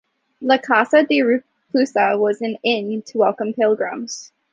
La Casa de Reclusa was an inn to welcome pilgrims.